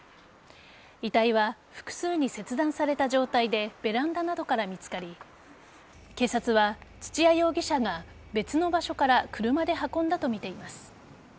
遺体は複数に切断された状態でベランダなどから見つかり警察は土屋容疑者が別の場所から車で運んだとみています。